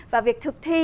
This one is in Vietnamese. và việc thực thi